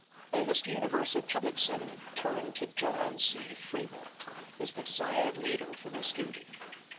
Almost universal public sentiment tui'ned to John C. Fremont as the desired leader for this duty.